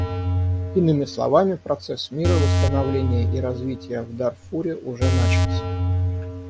Иными словами, процесс мира, восстановления и развития в Дарфуре уже начался.